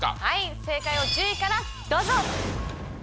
正解を１０位からどうぞ。